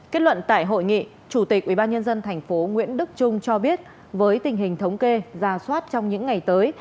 kết luận tại hội nghị chủ tịch ubnd tp nguyễn đức trung cho biết với tình hình thống kê ra soát trong những ngày tới